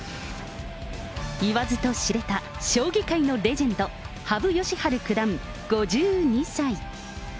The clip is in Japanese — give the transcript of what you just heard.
言わずと知れた、将棋界のレジェンド、羽生善治九段５２歳。